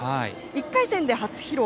１回戦で初披露。